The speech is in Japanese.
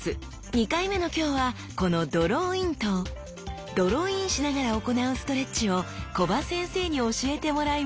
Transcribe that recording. ２回目の今日はこの「ドローイン」とドローインしながら行うストレッチを木場先生に教えてもらいます！